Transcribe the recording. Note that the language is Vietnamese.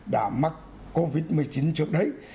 đã mắc covid một mươi chín trước đấy